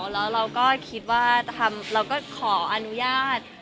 แล้วเราก็คิดว่าเราก็ขออนุญาต